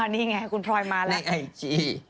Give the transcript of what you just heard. นี่ไงคุณพลอยมาแล้วในไอจี